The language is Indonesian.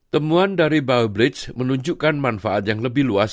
timun dari bioblitz menunjukkan manfaat yang lebih luas